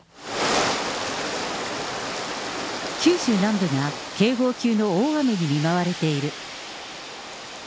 九州南部が警報級の大雨に見舞われている。